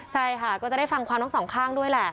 ใช่ค่ะก็จะได้ฟังความทั้งสองข้างด้วยแหละ